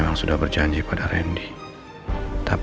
kamu bisa juga juga dive gckk brown keirl